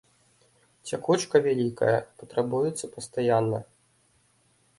Цякучка вялікая, патрабуюцца пастаянна.